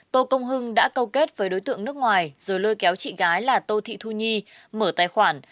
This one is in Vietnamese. tô công hưng đã câu kết với đối tượng nước ngoài rồi lôi kéo chị gái là tô thị thu nhi mở tài khoản